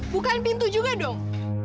bukain pintu juga dong